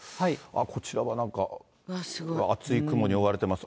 こちらはなんか、厚い雲に覆われています。